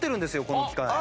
この機械。